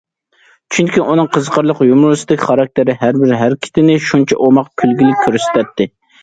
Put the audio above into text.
چۈنكى ئۇنىڭ قىزىقارلىق يۇمۇرىستىك خاراكتېرى ھەربىر ھەرىكىتىنى شۇنچە ئوماق كۈلكىلىك كۆرسىتەتتى.